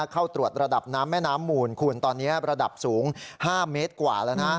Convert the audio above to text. เข้าตรวจระดับน้ำแม่น้ำหมูลคุณตอนนี้ระดับสูง๕เมตรกว่าแล้วนะ